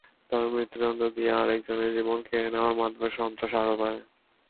তবে মৃত্যুদণ্ড দিয়ে আরেকজনের জীবন কেড়ে নেওয়ার মাধ্যমে সন্ত্রাস আরও বাড়ে।